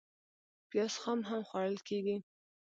پیاز خام هم خوړل کېږي